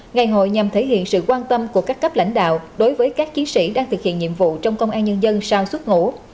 ngày hội nhằm thể hiện sự quan tâm của các cấp lãnh đạo đối với các chiến sĩ đang thực hiện nhiệm vụ trong công an nhân dân sau xuất ngũ